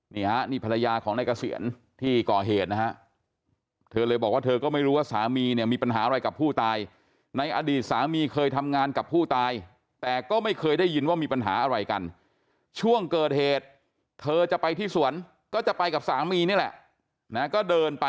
นี่ฮะนี่ภรรยาของนายเกษียณที่ก่อเหตุนะฮะเธอเลยบอกว่าเธอก็ไม่รู้ว่าสามีเนี้ยมีปัญหาอะไรกับผู้ตายในอดีตสามีเคยทำงานกับผู้ตายแต่ก็ไม่เคยได้ยินว่ามีปัญหาอะไรกัน